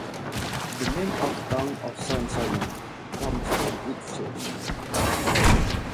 The name of the town of San Sano comes from its church.